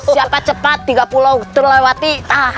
siapa cepat tiga pulau terlewati